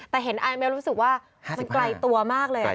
แต่เห็นไอเมลรู้สึกว่ามันไกลตัวมากเลย